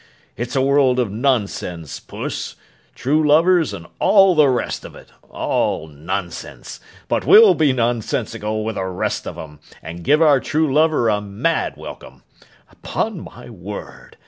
It's a world of nonsense, Puss; true lovers and all the rest of it—all nonsense; but we'll be nonsensical with the rest of 'em, and give our true lover a mad welcome. Upon my word!